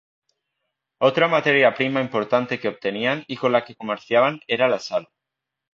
Otra materia prima importante que obtenían y con la que comerciaban era la sal.